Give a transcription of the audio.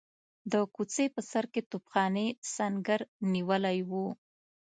د کوڅې په سر کې توپخانې سنګر نیولی وو.